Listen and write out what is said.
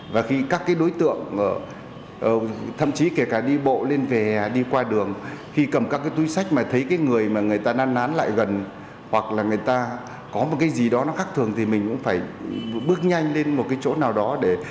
và khi các đối tượng thậm chí kể cả đi bộ lên về đi qua đường khi cầm các túi sách mà thấy người mà người ta năn nán lại gần hoặc là người ta có một cái gì đó nó khắc thường thì mình cũng phải bước nhanh lên một chỗ nào đó